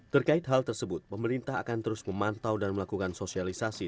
terkait hal tersebut pemerintah akan terus memantau dan melakukan sosialisasi